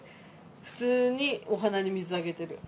普通にお花に水あげてる。